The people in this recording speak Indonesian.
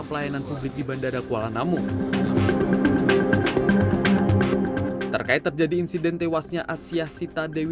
pelayanan publik di bandara kuala namu terkait terjadi insiden tewasnya asyah sita dewi